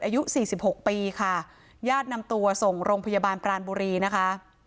อายุสี่สิบหกปีค่ะญาตินำตัวส่งโรงพยาบาลปรานบุรีนะคะ